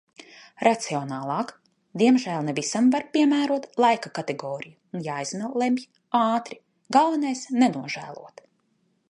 Racionālāk. Diemžēl ne visam var piemērot laika kategoriju un jāizlemj ātri. Galvenais nenožēlot.